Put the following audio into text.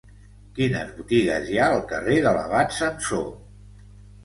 Quines botigues hi ha al carrer de l'Abat Samsó?